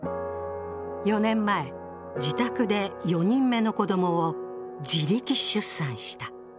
４年前、自宅で４人目の子供を自力出産した。